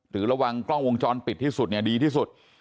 ถือระวังกล้องวงจรปิดที่สุดดีที่สุด